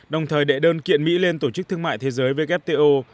đồng thời đệ đơn kiện mỹ lên tổ chức thương mại thế giới wto